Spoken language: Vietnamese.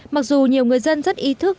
mặc dù nhiều người dân rất ý thức